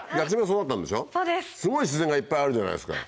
すごい自然がいっぱいあるじゃないですか。